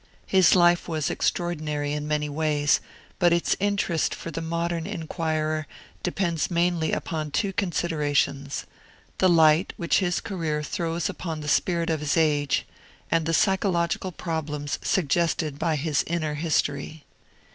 His life was extraordinary in many ways, but its interest for the modern inquirer depends mainly upon two considerations the light which his career throws upon the spirit of his age, and the psychological problems suggested by his inner history.